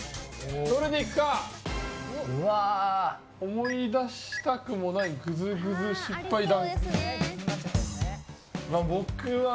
思い出したくもないグズグズ失敗談。